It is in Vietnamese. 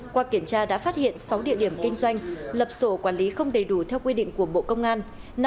qua kiểm tra đã phát hiện sáu địa điểm kinh doanh lập sổ quản lý không đầy đủ theo quy định của bộ công an